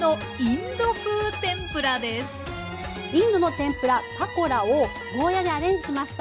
インドの天ぷら「パコラ」をゴーヤーでアレンジしました。